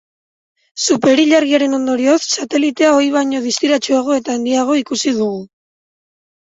Superilargiaren ondorioz, satelitea ohi baino distiratsuago eta handiago ikusi dugu.